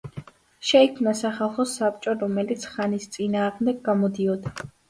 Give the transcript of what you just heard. შეიქმნა სახალხო საბჭო, რომელიც ხანის წინააღმდეგ გამოდიოდა.